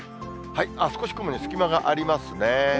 少し雲に隙間がありますね。